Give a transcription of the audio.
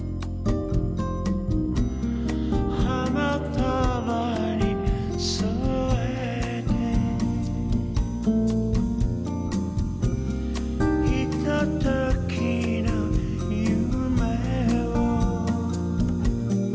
「花束に添えて」「ひとときの夢を」